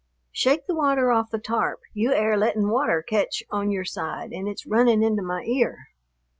Shake the water off the tarp, you air lettin' water catch on your side an' it's running into my ear."